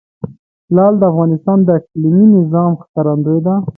لعل د افغانستان د اقلیمي نظام ښکارندوی ده.